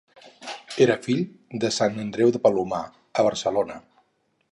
Era fill de Sant Andreu de Palomar, a Barcelona.